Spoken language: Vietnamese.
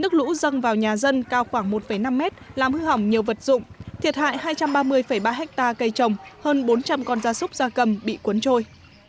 nước lũ dâng vào nhà dân cao khoảng một năm mét làm hư hỏng nhiều vật dụng thiệt hại hai trăm ba mươi ba hectare cây trồng hơn bốn trăm linh con gia súc gia cầm bị cuốn trôi